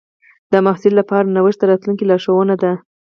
د محصل لپاره نوښت د راتلونکي لارښوونه ده.